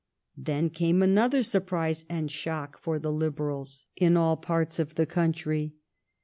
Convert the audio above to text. Then came another surprise and shock for the THE TIDE TURNS 307 Liberals in all parts of the country.